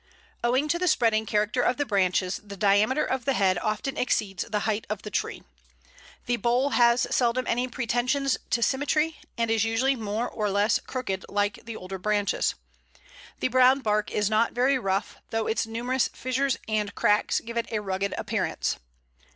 Owing to the spreading character of the branches, the diameter of the head often exceeds the height of the tree. The bole has seldom any pretensions to symmetry, and is usually more or less crooked like the older branches. The brown bark is not very rough, though its numerous fissures and cracks give it a rugged appearance.